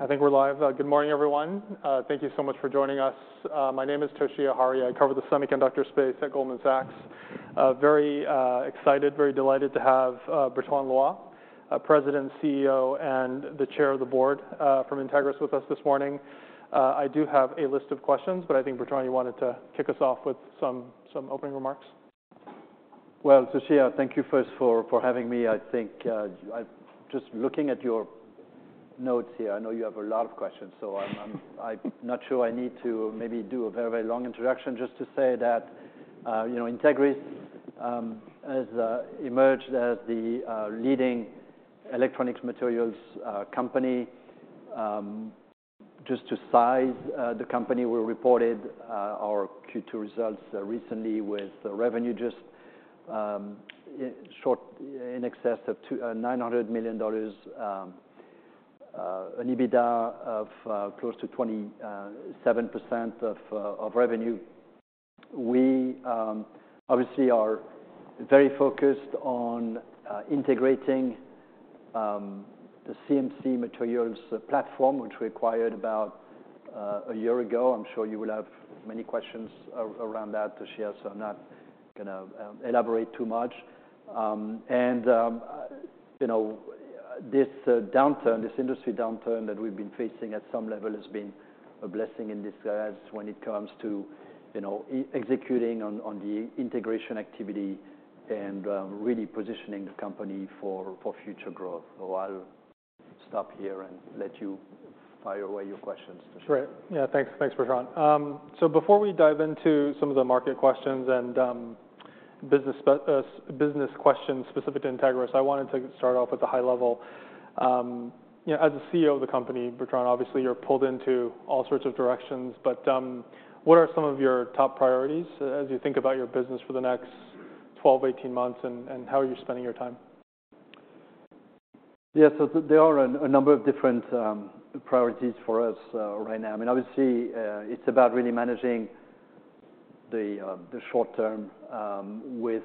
I think we're live. Good morning, everyone. Thank you so much for joining us. My name is Toshiya Hari. I cover the semiconductor space at Goldman Sachs. Very excited, very delighted to have Bertrand Loy, President, CEO, and Chair of the Board, from Entegris with us this morning. I do have a list of questions, but I think, Bertrand, you wanted to kick us off with some opening remarks. Well, Toshiya, thank you first for having me. I think, just looking at your notes here, I know you have a lot of questions, so I'm not sure I need to maybe do a very, very long introduction just to say that, you know, Entegris has emerged as the leading electronic materials company. Just to size the company, we reported our Q2 results recently with revenue just, in short, in excess of $290 million, an EBITDA of close to 27% of revenue. We obviously are very focused on integrating the CMC Materials platform, which we acquired about a year ago. I'm sure you will have many questions around that, Toshiya, so I'm not gonna elaborate too much. You know, this downturn, this industry downturn that we've been facing at some level has been a blessing in disguise when it comes to, you know, executing on the integration activity and really positioning the company for future growth. So I'll stop here and let you fire away your questions, Toshiya. Great. Yeah, thanks. Thanks, Bertrand. So before we dive into some of the market questions and business questions specific to Entegris, I wanted to start off at the high level. You know, as the CEO of the company, Bertrand, obviously, you're pulled into all sorts of directions, but what are some of your top priorities as you think about your business for the next 12, 18 months, and how are you spending your time? Yeah. So there are a number of different priorities for us right now. I mean, obviously, it's about really managing the short term with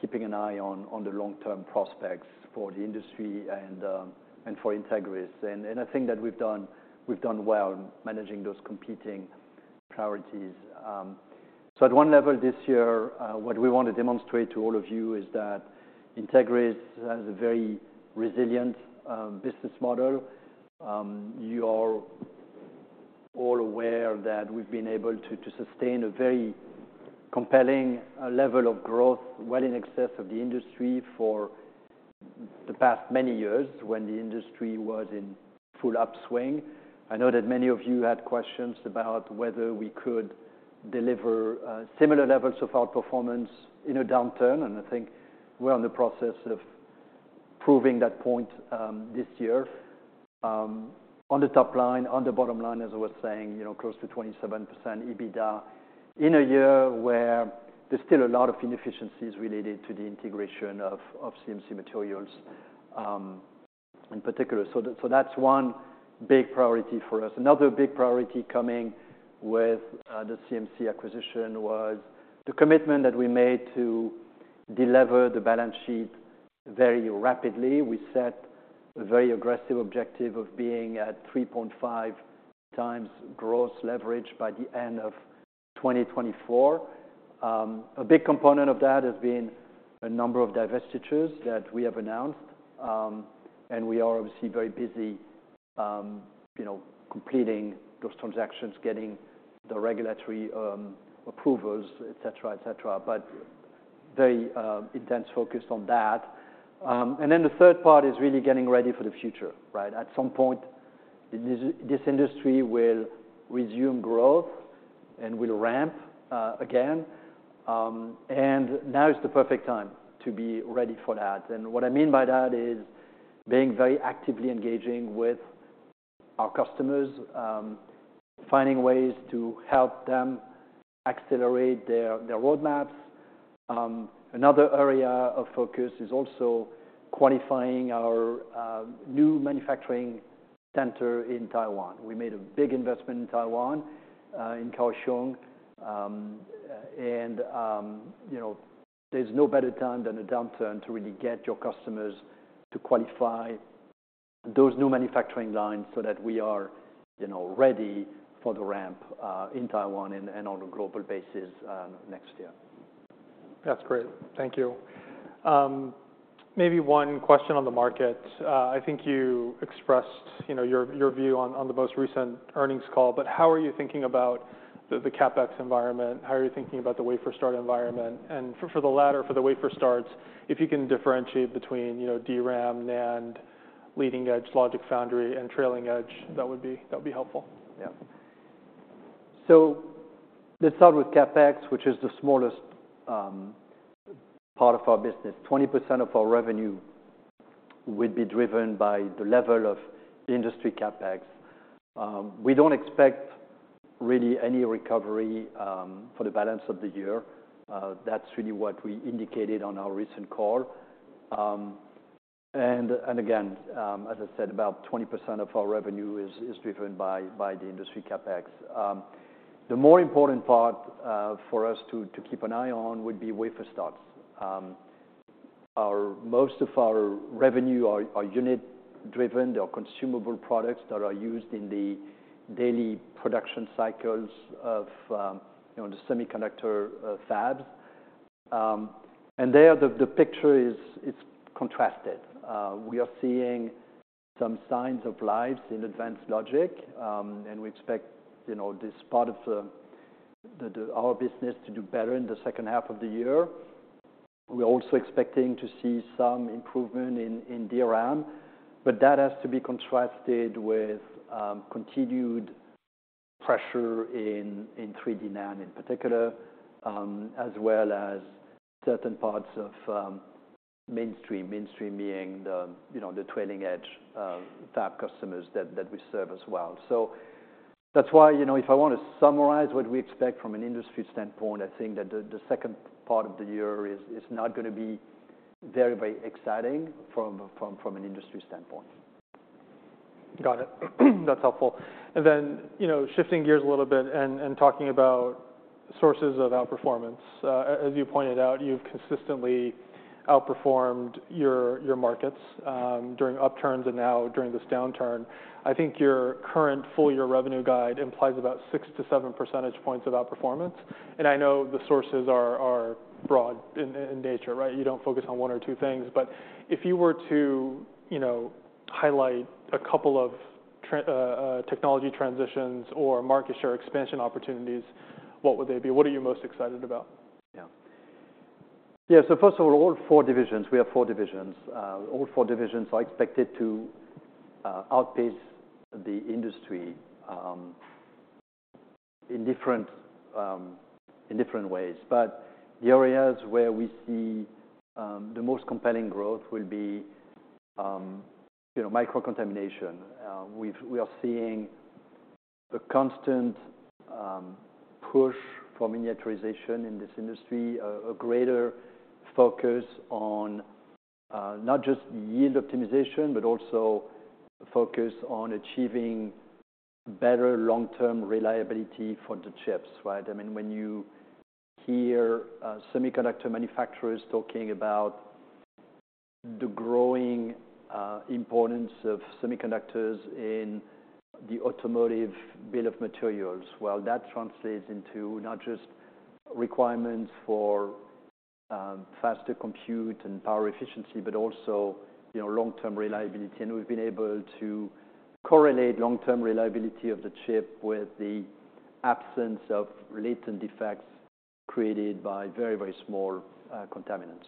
keeping an eye on the long-term prospects for the industry and for Entegris. And I think that we've done well in managing those competing priorities. So at one level this year, what we want to demonstrate to all of you is that Entegris has a very resilient business model. You are all aware that we've been able to sustain a very compelling level of growth well in excess of the industry for the past many years when the industry was in full upswing. I know that many of you had questions about whether we could deliver, similar levels of outperformance in a downturn, and I think we're in the process of proving that point, this year. On the top line, on the bottom line, as I was saying, you know, close to 27% EBITDA in a year where there's still a lot of inefficiencies related to the integration of CMC Materials, in particular. So that's one big priority for us. Another big priority coming with the CMC acquisition was the commitment that we made to delever the balance sheet very rapidly. We set a very aggressive objective of being at 3.5 times gross leverage by the end of 2024. A big component of that has been a number of divestitures that we have announced, and we are obviously very busy, you know, completing those transactions, getting the regulatory approvals, et cetera, et cetera. But very intense focused on that. And then the third part is really getting ready for the future, right? At some point, this, this industry will resume growth and will ramp, again. And now is the perfect time to be ready for that. And what I mean by that is being very actively engaging with our customers, finding ways to help them accelerate their, their roadmaps. Another area of focus is also qualifying our new manufacturing center in Taiwan. We made a big investment in Taiwan, in Kaohsiung. You know, there's no better time than a downturn to really get your customers to qualify those new manufacturing lines so that we are, you know, ready for the ramp in Taiwan and on a global basis next year. That's great. Thank you. Maybe one question on the market. I think you expressed, you know, your, your view on, on the most recent earnings call, but how are you thinking about the, the CapEx environment? How are you thinking about the wafer start environment? And for, for the latter, for the wafer starts, if you can differentiate between, you know, DRAM, NAND, leading-edge logic foundry, and trailing edge, that would be, that would be helpful. Yeah. So let's start with CapEx, which is the smallest part of our business. 20% of our revenue would be driven by the level of industry CapEx. We don't expect really any recovery for the balance of the year. That's really what we indicated on our recent call. And again, as I said, about 20% of our revenue is driven by the industry CapEx. The more important part for us to keep an eye on would be wafer starts. Most of our revenue are unit-driven. They are consumable products that are used in the daily production cycles of you know, the semiconductor fabs. And there, the picture is, it's contrasted. We are seeing some signs of life in advanced logic, and we expect, you know, this part of our business to do better in the second half of the year. We're also expecting to see some improvement in DRAM, but that has to be contrasted with continued pressure in 3D NAND, in particular, as well as certain parts of mainstream. Mainstream being the, you know, the trailing edge fab customers that we serve as well. So that's why, you know, if I want to summarize what we expect from an industry standpoint, I think that the second part of the year is not gonna be very, very exciting from an industry standpoint. Got it. That's helpful. And then, you know, shifting gears a little bit and, and talking about sources of outperformance. As you pointed out, you've consistently outperformed your, your markets, during upturns and now during this downturn. I think your current full year revenue guide implies about 6-7 percentage points of outperformance, and I know the sources are, are broad in, in nature, right? You don't focus on one or two things. But if you were to, you know, highlight a couple of tr-- technology transitions or market share expansion opportunities, what would they be? What are you most excited about? Yeah. Yeah, so first of all, all four divisions, we have four divisions. All four divisions are expected to outpace the industry in different ways. But the areas where we see the most compelling growth will be, you know, Microcontamination. We are seeing a constant push for miniaturization in this industry, a greater focus on not just yield optimization, but also a focus on achieving better long-term reliability for the chips, right? I mean, when you hear semiconductor manufacturers talking about the growing importance of semiconductors in the automotive bill of materials, well, that translates into not just requirements for faster compute and power efficiency, but also, you know, long-term reliability. We've been able to correlate long-term reliability of the chip with the absence of latent defects created by very, very small contaminants.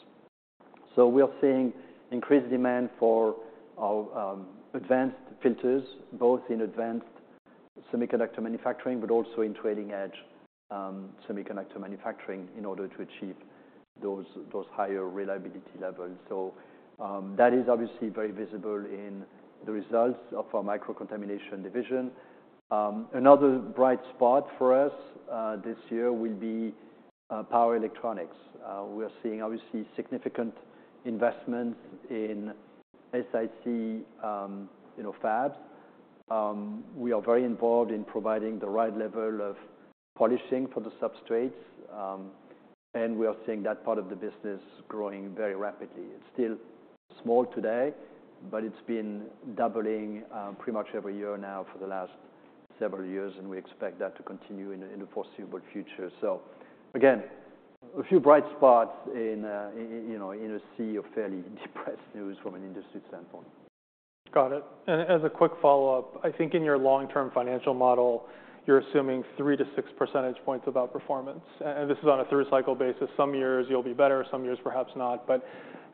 So we are seeing increased demand for our advanced filters, both in advanced semiconductor manufacturing, but also in trailing edge semiconductor manufacturing, in order to achieve those higher reliability levels. So that is obviously very visible in the results of our Microcontamination division. Another bright spot for us this year will be power electronics. We are seeing obviously significant investments in SiC, you know, fabs. We are very involved in providing the right level of polishing for the substrates, and we are seeing that part of the business growing very rapidly. It's still small today, but it's been doubling pretty much every year now for the last several years, and we expect that to continue in the foreseeable future. So again, a few bright spots in, you know, in a sea of fairly depressed news from an industry standpoint. Got it. As a quick follow-up, I think in your long-term financial model, you're assuming 3-6 percentage points of outperformance, and this is on a through cycle basis. Some years you'll be better, some years perhaps not. But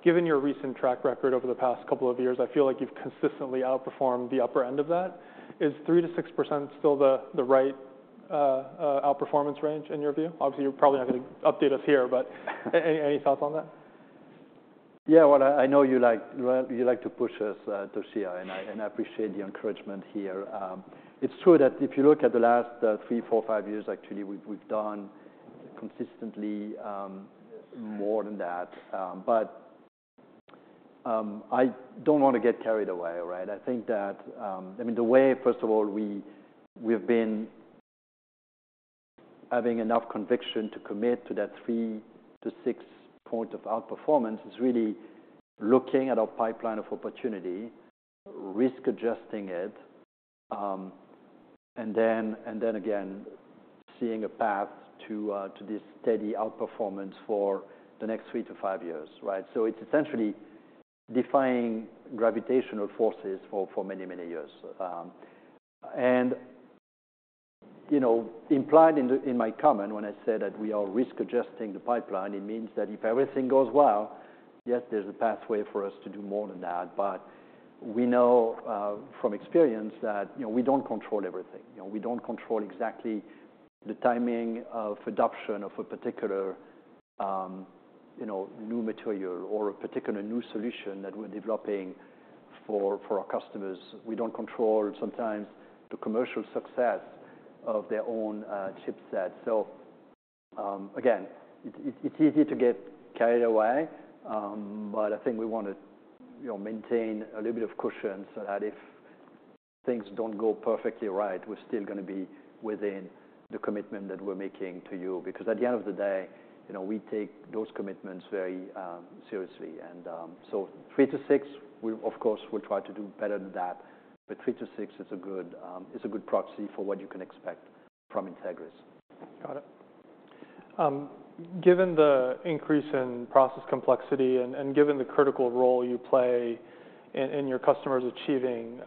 given your recent track record over the past couple of years, I feel like you've consistently outperformed the upper end of that. Is 3%-6% still the right outperformance range in your view? Obviously, you're probably not going to update us here, but any thoughts on that? Yeah. Well, I know you like, you like to push us, Toshiya, and I appreciate the encouragement here. It's true that if you look at the last three, four, five years, actually, we've done consistently more than that. But I don't want to get carried away, right? I think that. I mean, the way, first of all, we've been having enough conviction to commit to that 3-6 points of outperformance is really looking at our pipeline of opportunity, risk adjusting it, and then again, seeing a path to this steady outperformance for the next 3-5 years, right? So it's essentially defying gravitational forces for many years. You know, implied in the, in my comment when I said that we are risk adjusting the pipeline, it means that if everything goes well, yes, there's a pathway for us to do more than that. But we know from experience that, you know, we don't control everything. You know, we don't control exactly the timing of adoption of a particular, you know, new material or a particular new solution that we're developing for our customers. We don't control sometimes the commercial success of their own chipset. So, again, it's easy to get carried away, but I think we want to, you know, maintain a little bit of cushion so that if things don't go perfectly right, we're still gonna be within the commitment that we're making to you. Because at the end of the day, you know, we take those commitments very seriously. And so 3-6, we of course will try to do better than that, but 3-6 is a good proxy for what you can expect from Entegris. Got it. Given the increase in process complexity and given the critical role you play in your customers achieving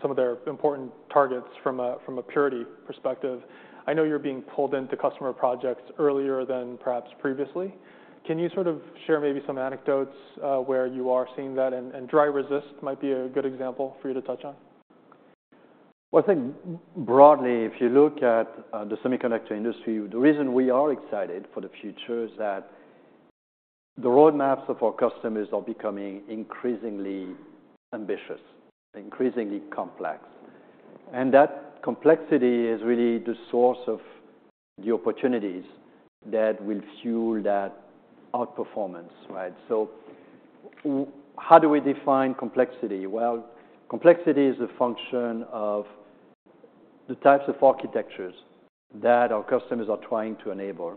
some of their important targets from a purity perspective, I know you're being pulled into customer projects earlier than perhaps previously. Can you sort of share maybe some anecdotes where you are seeing that? And Dry Resist might be a good example for you to touch on. Well, I think broadly, if you look at, the semiconductor industry, the reason we are excited for the future is that the roadmaps of our customers are becoming increasingly ambitious, increasingly complex. And that complexity is really the source of the opportunities that will fuel that outperformance, right? So how do we define complexity? Well, complexity is a function of the types of architectures that our customers are trying to enable.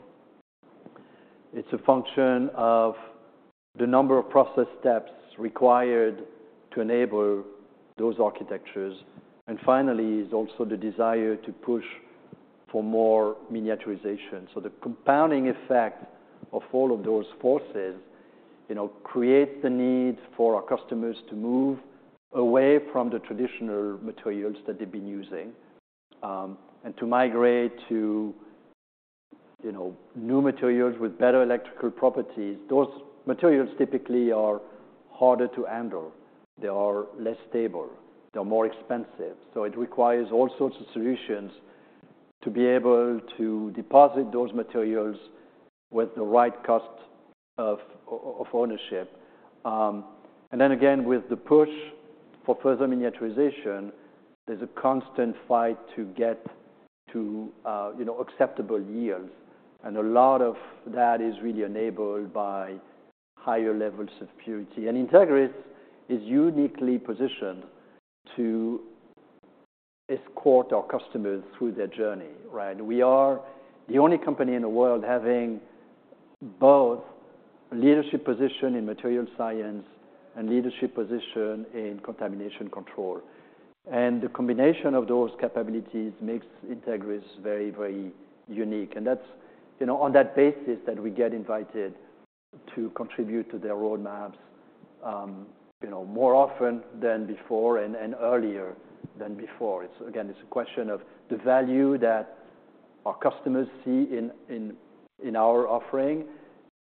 It's a function of the number of process steps required to enable those architectures, and finally, it's also the desire to push for more miniaturization. So the compounding effect of all of those forces, you know, create the need for our customers to move away from the traditional materials that they've been using, and to migrate to, you know, new materials with better electrical properties. Those materials typically are harder to handle, they are less stable, they're more expensive. So it requires all sorts of solutions to be able to deposit those materials with the right cost of ownership. And then again, with the push for further miniaturization, there's a constant fight to get to, you know, acceptable yields, and a lot of that is really enabled by higher levels of purity. And Entegris is uniquely positioned to escort our customers through their journey, right? We are the only company in the world having both leadership position in material science and leadership position in contamination control. And the combination of those capabilities makes Entegris very, very unique. And that's, you know, on that basis that we get invited to contribute to their roadmaps, you know, more often than before and earlier than before. It's, again, it's a question of the value that our customers see in our offering.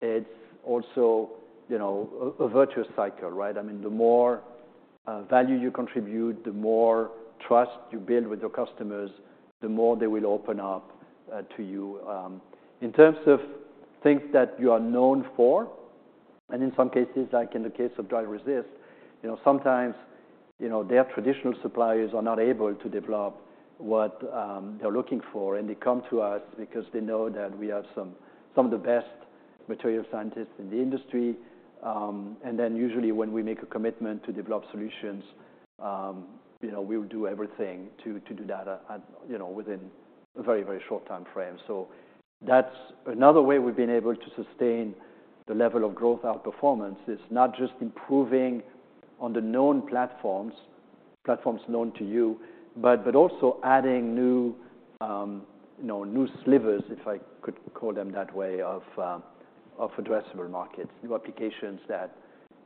It's also, you know, a virtuous cycle, right? I mean, the more value you contribute, the more trust you build with your customers, the more they will open up to you. In terms of things that you are known for, and in some cases, like in the case of dry resist, you know, sometimes, you know, their traditional suppliers are not able to develop what they're looking for, and they come to us because they know that we have some of the best material scientists in the industry. And then usually, when we make a commitment to develop solutions, you know, we will do everything to do that within a very, very short time frame. So that's another way we've been able to sustain the level of growth outperformance. It's not just improving on the known platforms, platforms known to you, but, but also adding new, you know, new slivers, if I could call them that way, of, of addressable markets, new applications that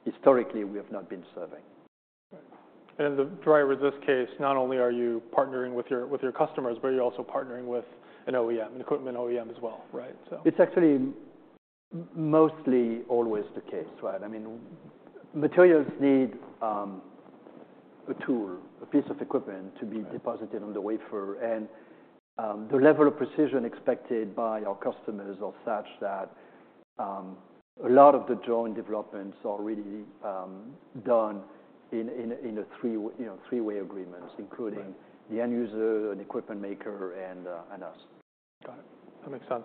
historically we have not been serving. Right. And the Dry Resist case, not only are you partnering with your customers, but you're also partnering with an OEM, an equipment OEM as well, right? So- It's actually mostly always the case, right? I mean, materials need a tool, a piece of equipment to be- Right ...deposited on the wafer. And the level of precision expected by our customers are such that a lot of the joint developments are really done in a three, you know, three-way agreements, including- Right... the end user and equipment maker and, and us. Got it. That makes sense.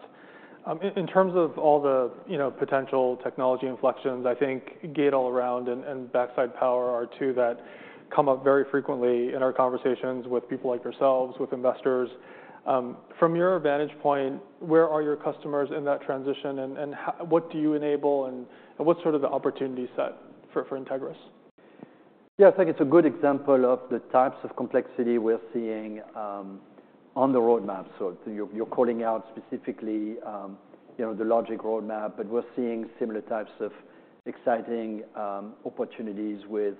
In terms of all the, you know, potential technology inflections, I think Gate-All-Around and backside power are two that come up very frequently in our conversations with people like yourselves, with investors. From your vantage point, where are your customers in that transition, and what do you enable, and what's sort of the opportunity set for Entegris? Yeah, I think it's a good example of the types of complexity we're seeing on the roadmap. So you're calling out specifically, you know, the logic roadmap, but we're seeing similar types of exciting opportunities with,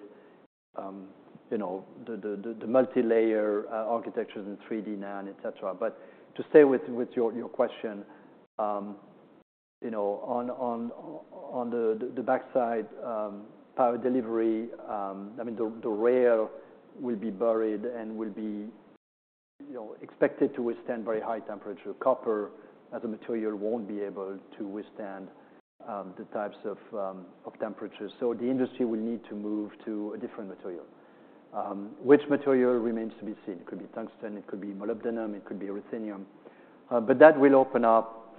you know, the multilayer architectures in 3D NAND, et cetera. But to stay with your question, you know, on the backside power delivery, I mean, the rail will be buried and will be, you know, expected to withstand very high temperature. Copper as a material won't be able to withstand the types of temperatures, so the industry will need to move to a different material. Which material remains to be seen. It could be tungsten, it could be molybdenum, it could be ruthenium. But that will open up-...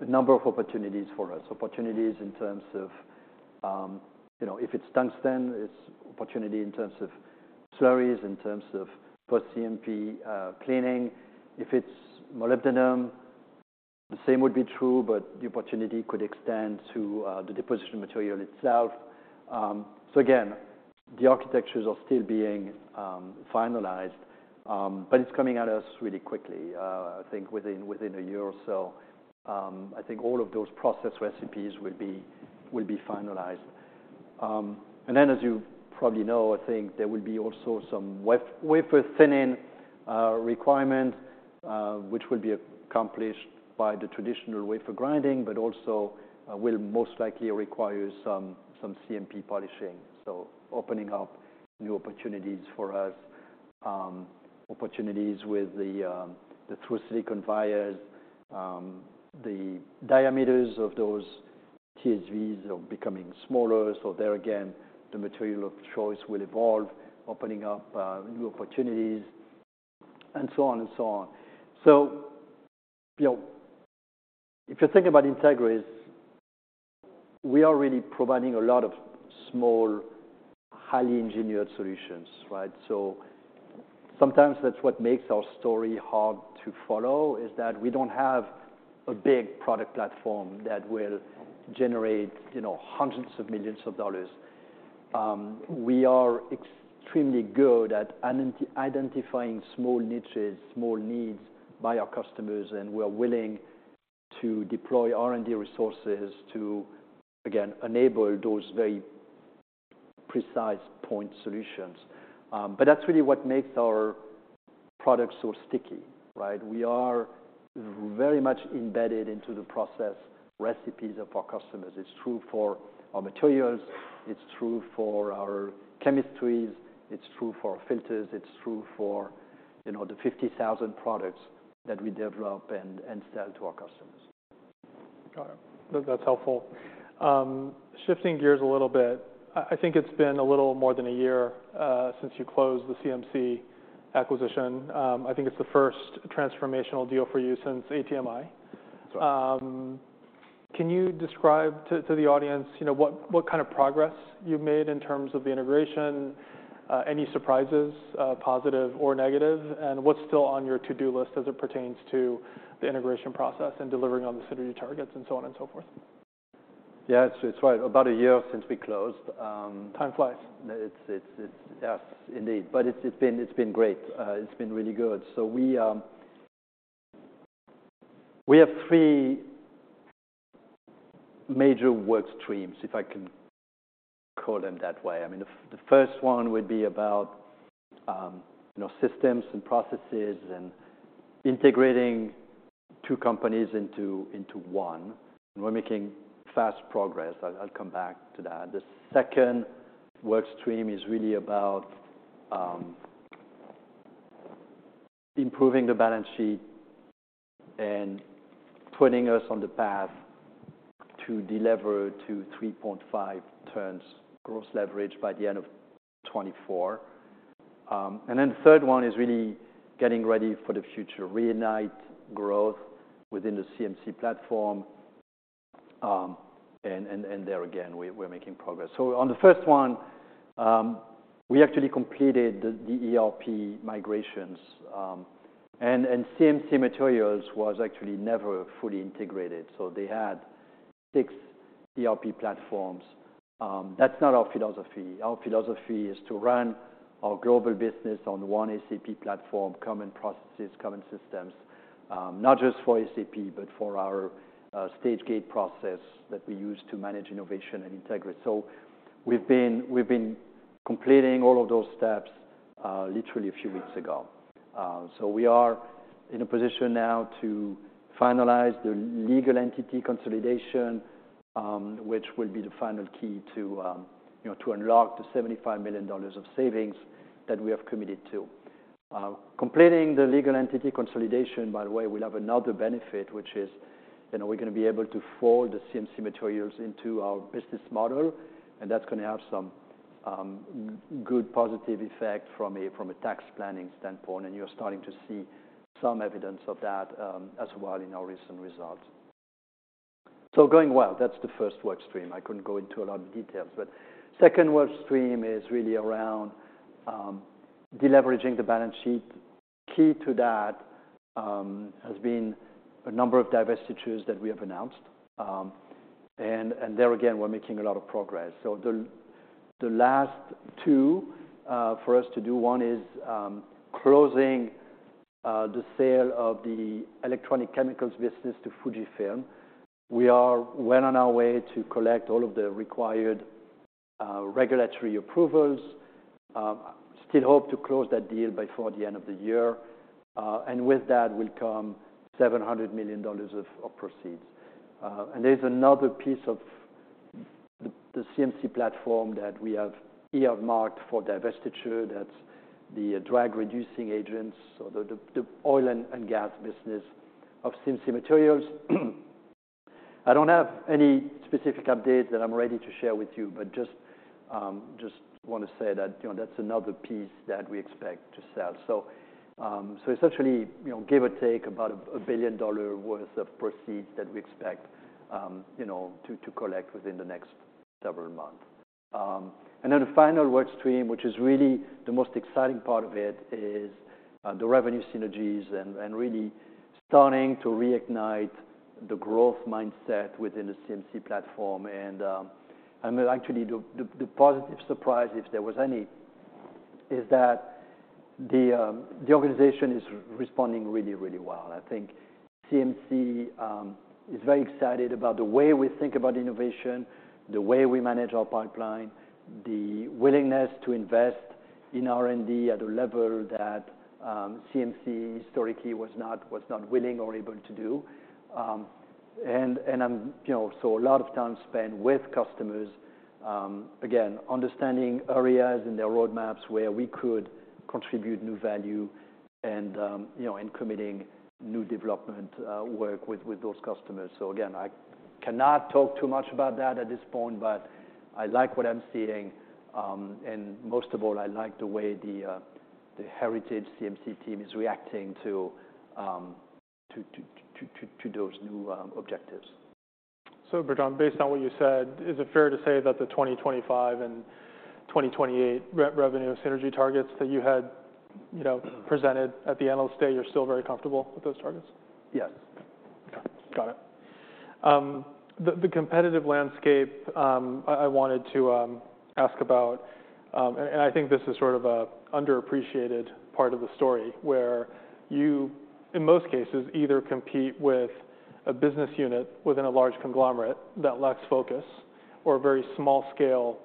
A number of opportunities for us. Opportunities in terms of, you know, if it's tungsten, it's opportunity in terms of slurries, in terms of post CMP cleaning. If it's molybdenum, the same would be true, but the opportunity could extend to the deposition material itself. So again, the architectures are still being finalized, but it's coming at us really quickly. I think within a year or so, I think all of those process recipes will be finalized. And then, as you probably know, I think there will be also some wafer thinning requirement, which will be accomplished by the traditional wafer grinding, but also will most likely require some CMP polishing. So opening up new opportunities for us, opportunities with the through-silicon vias. The diameters of those TSVs are becoming smaller, so there again, the material of choice will evolve, opening up new opportunities and so on and so on. So, you know, if you think about Entegris, we are really providing a lot of small, highly engineered solutions, right? So sometimes that's what makes our story hard to follow, is that we don't have a big product platform that will generate, you know, hundreds of millions of dollars. We are extremely good at identifying small niches, small needs by our customers, and we're willing to deploy R&D resources to, again, enable those very precise point solutions. But that's really what makes our products so sticky, right? We are very much embedded into the process recipes of our customers. It's true for our materials, it's true for our chemistries, it's true for our filters, it's true for, you know, the 50,000 products that we develop and sell to our customers. Got it. That's helpful. Shifting gears a little bit, I, I think it's been a little more than a year since you closed the CMC acquisition. I think it's the first transformational deal for you since ATMI. Yes. Can you describe to the audience, you know, what kind of progress you've made in terms of the integration? Any surprises, positive or negative, and what's still on your to-do list as it pertains to the integration process and delivering on the synergy targets and so on and so forth? Yeah, it's right about a year since we closed. Time flies. It's... Yes, indeed. But it's been great. It's been really good. So we have three major work streams, if I can call them that way. I mean, the first one would be about, you know, systems and processes and integrating two companies into one, and we're making fast progress. I'll come back to that. The second work stream is really about improving the balance sheet and putting us on the path to deliver 3.5 times gross leverage by the end of 2024. And then the third one is really getting ready for the future, reignite growth within the CMC platform, and there again, we're making progress. So on the first one, we actually completed the ERP migrations. CMC Materials was actually never fully integrated, so they had six ERP platforms. That's not our philosophy. Our philosophy is to run our global business on one SAP platform, common processes, common systems, not just for SAP, but for our stage-gate process that we use to manage innovation at Entegris. So we've been completing all of those steps, literally a few weeks ago. We are in a position now to finalize the legal entity consolidation, which will be the final key to, you know, to unlock the $75 million of savings that we have committed to. Completing the legal entity consolidation, by the way, we'll have another benefit, which is, you know, we're gonna be able to fold the CMC Materials into our business model, and that's gonna have some good positive effect from a, from a tax planning standpoint, and you're starting to see some evidence of that as well in our recent results. So going well, that's the first work stream. I couldn't go into a lot of details, but second work stream is really around deleveraging the balance sheet. Key to that has been a number of divestitures that we have announced. And there again, we're making a lot of progress. So the last two for us to do, one is closing the sale of the Electronic Chemicals business to Fujifilm. We are well on our way to collect all of the required regulatory approvals. Still hope to close that deal before the end of the year, and with that will come $700 million of proceeds. And there's another piece of the CMC platform that we have earmarked for divestiture. That's the drag-reducing agents or the oil and gas business of CMC Materials. I don't have any specific updates that I'm ready to share with you, but just, just want to say that, you know, that's another piece that we expect to sell. So, so essentially, you know, give or take about a $1 billion worth of proceeds that we expect, you know, to collect within the next several months. And then the final work stream, which is really the most exciting part of it, is the revenue synergies and really starting to reignite the growth mindset within the CMC platform. And actually, the positive surprise, if there was any, is that the organization is responding really, really well. I think CMC is very excited about the way we think about innovation, the way we manage our pipeline, the willingness to invest in R&D at a level that CMC historically was not willing or able to do. And, you know, so a lot of time spent with customers, again, understanding areas in their roadmaps where we could contribute new value and, you know, in committing new development work with those customers. So again, I cannot talk too much about that at this point, but I like what I'm seeing. And most of all, I like the way the heritage CMC team is reacting to those new objectives. Bertrand, based on what you said, is it fair to say that the 2025 and 2028 revenue synergy targets that you had, you know, presented at the analyst day, you're still very comfortable with those targets? Yes. Okay. Got it. The competitive landscape, I wanted to ask about. And I think this is sort of an underappreciated part of the story, where you, in most cases, either compete with a business unit within a large conglomerate that lacks focus, or a very small-scale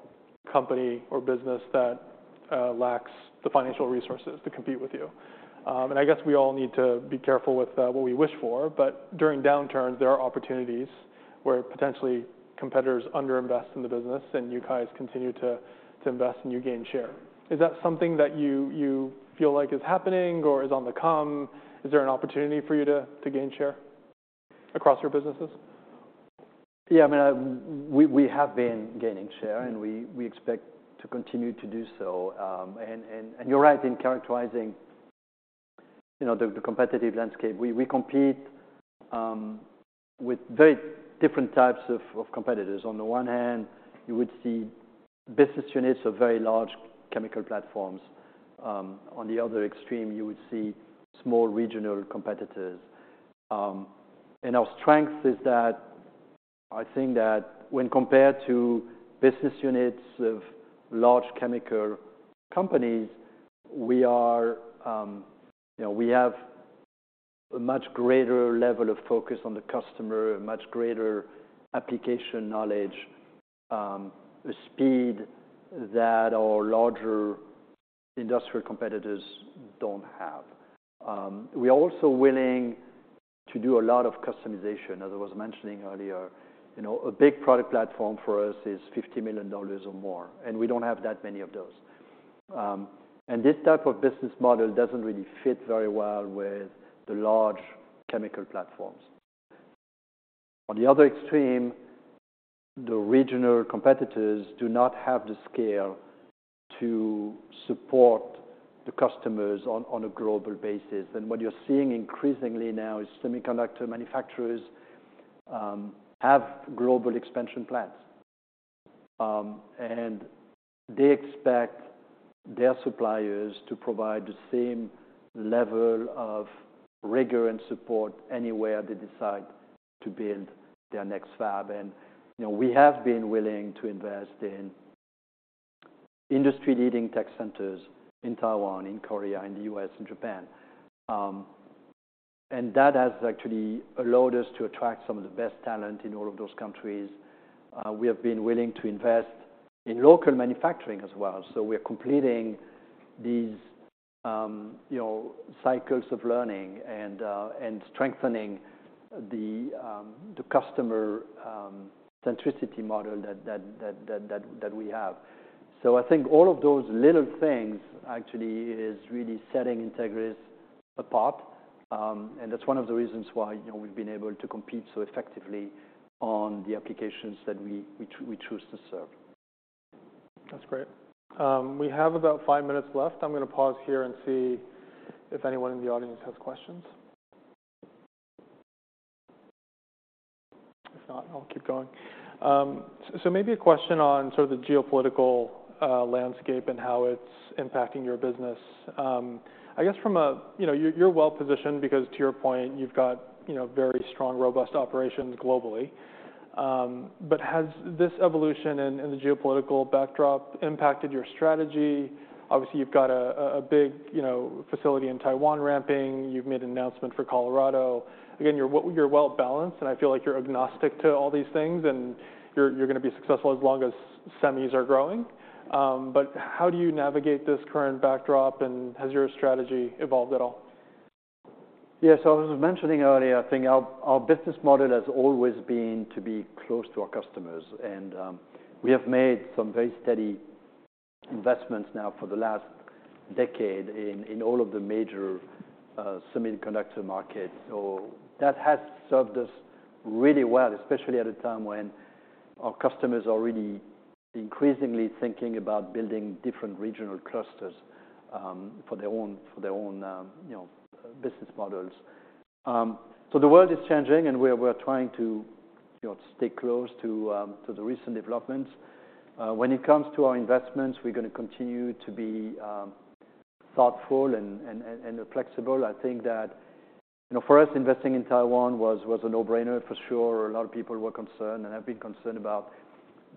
company or business that lacks the financial resources to compete with you. And I guess we all need to be careful with what we wish for, but during downturns, there are opportunities where potentially competitors underinvest in the business, and you guys continue to invest and you gain share. Is that something that you feel like is happening or is on the come? Is there an opportunity for you to gain share across your businesses? Yeah, I mean, we have been gaining share, and we expect to continue to do so. And you're right in characterizing the competitive landscape. We compete with very different types of competitors. On the one hand, you would see business units of very large chemical platforms. On the other extreme, you would see small regional competitors. And our strength is that I think that when compared to business units of large chemical companies, we are, you know, we have a much greater level of focus on the customer, a much greater application knowledge, a speed that our larger industrial competitors don't have. We are also willing to do a lot of customization. As I was mentioning earlier, you know, a big product platform for us is $50 million or more, and we don't have that many of those. And this type of business model doesn't really fit very well with the large chemical platforms. On the other extreme, the regional competitors do not have the scale to support the customers on a global basis. And what you're seeing increasingly now is semiconductor manufacturers have global expansion plans. And they expect their suppliers to provide the same level of rigor and support anywhere they decide to build their next fab. And, you know, we have been willing to invest in industry-leading tech centers in Taiwan, in Korea, in the U.S., and Japan. And that has actually allowed us to attract some of the best talent in all of those countries. We have been willing to invest in local manufacturing as well. So we are completing these, you know, cycles of learning and strengthening the customer centricity model that we have. So I think all of those little things actually is really setting Entegris apart. And that's one of the reasons why, you know, we've been able to compete so effectively on the applications that we choose to serve. That's great. We have about five minutes left. I'm gonna pause here and see if anyone in the audience has questions. If not, I'll keep going. So maybe a question on sort of the geopolitical landscape and how it's impacting your business. I guess from a... You know, you're well-positioned because to your point, you've got, you know, very strong, robust operations globally. But has this evolution and the geopolitical backdrop impacted your strategy? Obviously, you've got a big, you know, facility in Taiwan ramping. You've made an announcement for Colorado. Again, you're well-balanced, and I feel like you're agnostic to all these things, and you're gonna be successful as long as semis are growing. But how do you navigate this current backdrop, and has your strategy evolved at all? Yes, so I was mentioning earlier, I think our business model has always been to be close to our customers, and we have made some very steady investments now for the last decade in all of the major semiconductor markets. So that has served us really well, especially at a time when our customers are really increasingly thinking about building different regional clusters for their own you know, business models. So the world is changing, and we're trying to you know stay close to the recent developments. When it comes to our investments, we're gonna continue to be thoughtful and flexible. I think that you know for us investing in Taiwan was a no-brainer for sure. A lot of people were concerned, and have been concerned about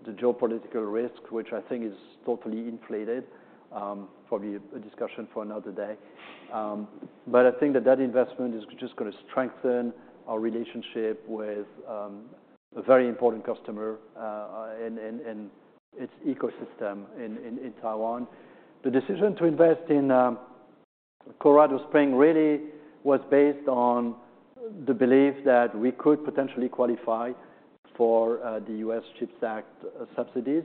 the geopolitical risk, which I think is totally inflated. Probably a discussion for another day. But I think that that investment is just gonna strengthen our relationship with a very important customer, and its ecosystem in Taiwan. The decision to invest in Colorado Springs really was based on the belief that we could potentially qualify for the U.S. CHIPS Act subsidies.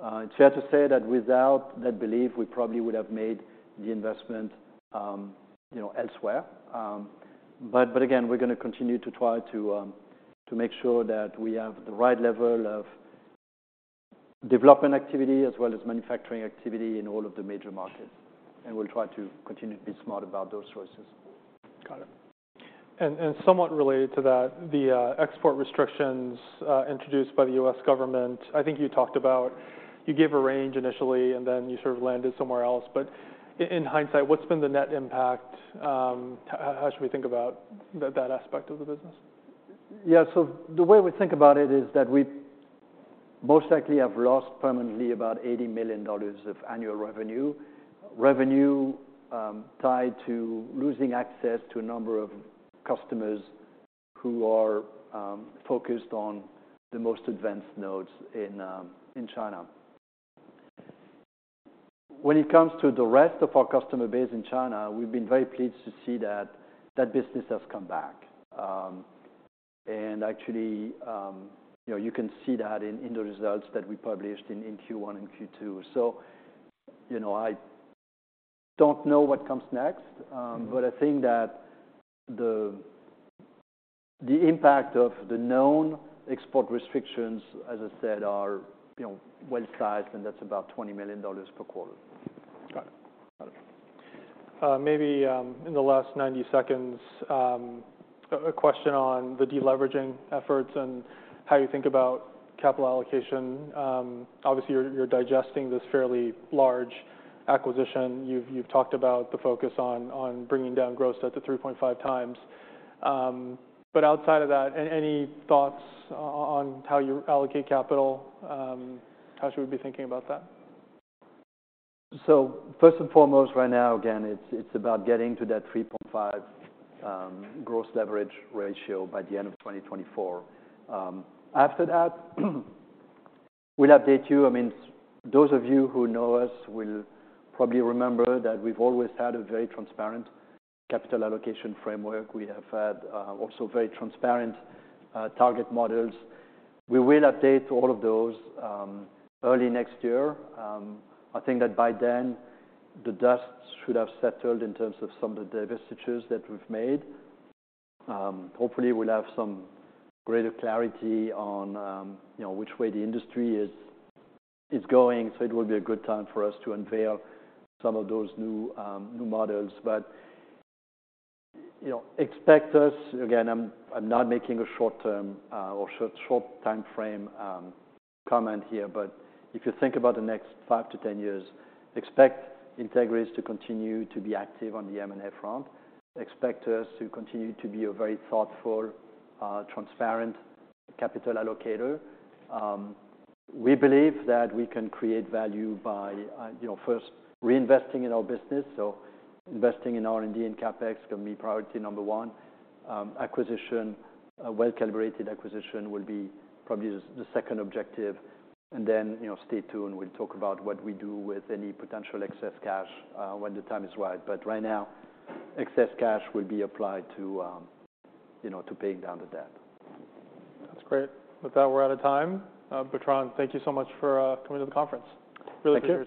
It's fair to say that without that belief, we probably would have made the investment, you know, elsewhere. But again, we're gonna continue to try to make sure that we have the right level of development activity as well as manufacturing activity in all of the major markets, and we'll try to continue to be smart about those choices. Got it. And somewhat related to that, the export restrictions introduced by the U.S. government, I think you talked about... You gave a range initially, and then you sort of landed somewhere else. But in hindsight, what's been the net impact? How should we think about that aspect of the business? Yeah, so the way we think about it is that we most likely have lost permanently about $80 million of annual revenue. Revenue tied to losing access to a number of customers who are focused on the most advanced nodes in China. When it comes to the rest of our customer base in China, we've been very pleased to see that that business has come back. And actually, you know, you can see that in the results that we published in Q1 and Q2. So, you know, I don't know what comes next, but I think that the impact of the known export restrictions, as I said, are you know, well-sized, and that's about $20 million per quarter. Got it. Got it. Maybe, in the last 90 seconds, a question on the deleveraging efforts and how you think about capital allocation. Obviously, you're, you're digesting this fairly large acquisition. You've, you've talked about the focus on, on bringing down gross debt to 3.5 times. But outside of that, any thoughts on how you allocate capital? How should we be thinking about that? So first and foremost, right now, again, it's about getting to that 3.5 gross leverage ratio by the end of 2024. After that, we'll update you. I mean, those of you who know us will probably remember that we've always had a very transparent capital allocation framework. We have had also very transparent target models. We will update all of those early next year. I think that by then, the dust should have settled in terms of some of the divestitures that we've made. Hopefully, we'll have some greater clarity on, you know, which way the industry is going, so it will be a good time for us to unveil some of those new models. But, you know, expect us... Again, I'm not making a short-term or short time frame comment here. But if you think about the next five to 10 years, expect Entegris to continue to be active on the M&A front. Expect us to continue to be a very thoughtful transparent capital allocator. We believe that we can create value by, you know, first reinvesting in our business, so investing in R&D and CapEx is going to be priority number one. Acquisition, a well-calibrated acquisition will be probably the second objective. And then, you know, stay tuned, we'll talk about what we do with any potential excess cash when the time is right. But right now, excess cash will be applied to, you know, to paying down the debt. That's great. With that, we're out of time. Bertrand, thank you so much for coming to the conference. Thank you. Really appreciate it.